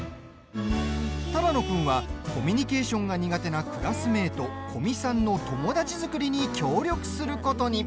只野君は、コミュニケーションが苦手なクラスメート・古見さんの友達作りに協力することに。